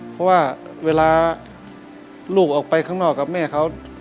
เพราะว่าเวลาลูกออกไปข้างนอกกับแม่เขา